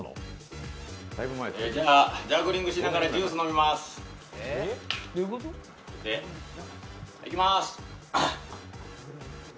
じゃあジャグリングしながらジュース飲みます。